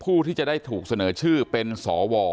ผู้ที่จะได้ถูกเสนอชื่อเป็นสว